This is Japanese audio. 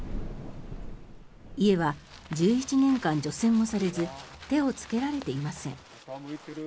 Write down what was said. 家は１１年間除染もされず手をつけられていません。